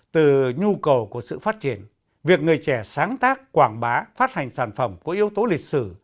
từ nhu cầu của sự phát triển việc người trẻ sáng tác quảng bá phát hành sản phẩm của yếu tố lịch sử